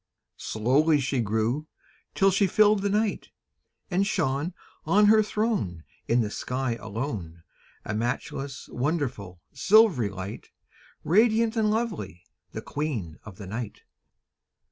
Slowly she grew till she filled the night, And shone On her throne In the sky alone, A matchless, wonderful, silvery light, Radiant and lovely, the Queen of the night.